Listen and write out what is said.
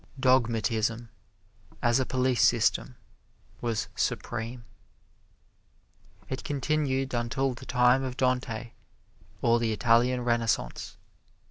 Dogmatism as a police system was supreme. It continued until the time of Dante, or the Italian Renaissance.